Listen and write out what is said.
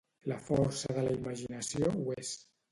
La força de la imaginació ho és.